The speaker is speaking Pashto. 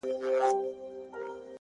اوس په پوهېږمه زه _ اوس انسان شناس يمه _